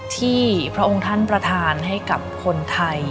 พระองค์ท่านประธานให้กับคนไทย